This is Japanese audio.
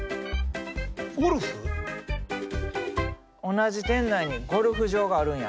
同じ店内にゴルフ場があるんや。